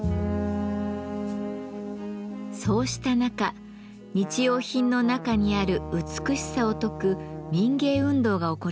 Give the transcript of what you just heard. そうした中日用品の中にある美しさを説く民芸運動が起こりました。